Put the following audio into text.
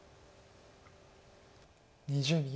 ２０秒。